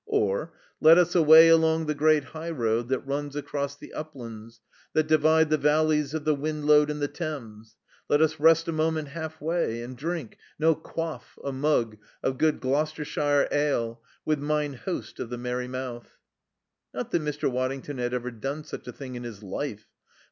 '" Or, "'Let us away along the great high road that runs across the uplands that divide the valleys of the Windlode and the Thames. Let us rest a moment halfway and drink no, quaff a mug of good Gloucestershire ale with mine host of the Merry Mouth.'" Not that Mr. Waddington had ever done such a thing in his life.